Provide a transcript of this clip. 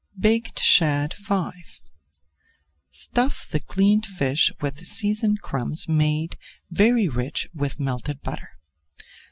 BAKED SHAD V Stuff the cleaned fish with seasoned crumbs made very rich with melted butter.